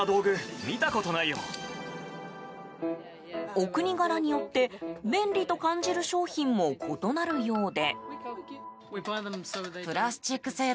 お国柄によって、便利と感じる商品も異なるようで。